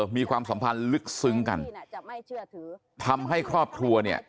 ความสัมพันธ์ลึกซึ้งกันทำให้ครอบครัวเนี่ย